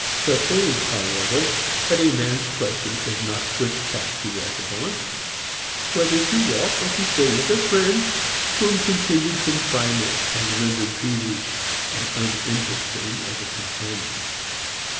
Suppose, however, that a man's question is not which path to walk upon, but whether to walk or to stay with a friend whom continued confinement has rendered peevish and uninteresting as a companion.